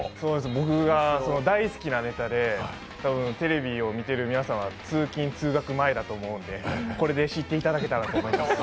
僕が大好きなネタで、テレビを見ている皆さんは通勤・通学前だと思うんで、これで知っていただけたらなと思います。